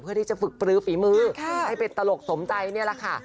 เพื่อที่จะฝึกปลือฝีมือให้เป็นตลกสมใจนี่แหละค่ะ